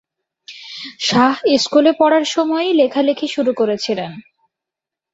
শাহ স্কুলে পড়ার সময়ই লেখালেখি শুরু করেছিলেন।